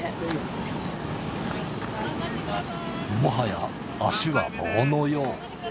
もはや足は棒のよう。